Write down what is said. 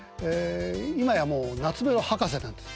今やもう懐メロ博士なんです。